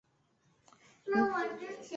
卡瑙巴尔是巴西塞阿拉州的一个市镇。